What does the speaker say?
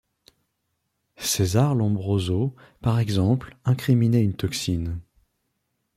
Cesare Lombroso par exemple incriminait une toxine.